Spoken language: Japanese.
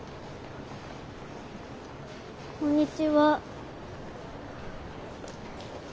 こんにちは。